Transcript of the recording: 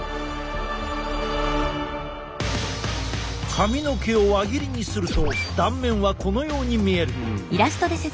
髪の毛を輪切りにすると断面はこのように見える。